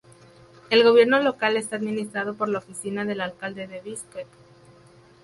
El gobierno local está administrado por la oficina del alcalde de Biskek.